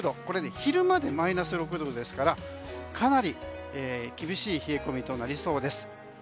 これは昼間でマイナス６度ですからかなり厳しい冷え込みとなりそうです。